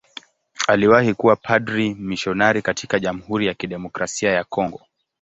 Aliwahi kuwa padri mmisionari katika Jamhuri ya Kidemokrasia ya Kongo.